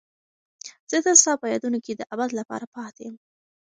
زه تل ستا په یادونو کې د ابد لپاره پاتې یم.